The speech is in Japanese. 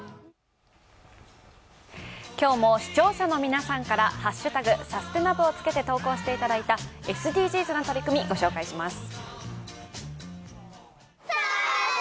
今日も視聴者の皆さんから「＃サステナ部」をつけて投稿していただいたＳＤＧｓな取り組みご紹介します。